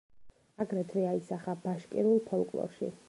აგრეთვე, აისახა ბაშკირულ ფოლკლორში.